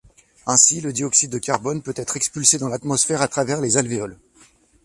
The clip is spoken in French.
Ainsi, le dioxyde de carbone peut être expulsé dans l'atmosphère à travers les alvéoles.